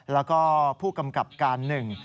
แล้วก็ผู้กำกับการหนึ่ง